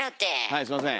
はいすいません。